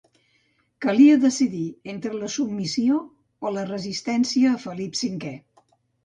Calia decidir entre la submissió o la resistència a Felip cinquè.